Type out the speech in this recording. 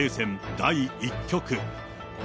第１局。